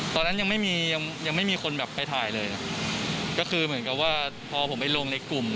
ตอนนั้นยังไม่มียังยังไม่มีคนแบบไปถ่ายเลยก็คือเหมือนกับว่าพอผมไปลงในกลุ่ม